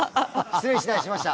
失礼致しました。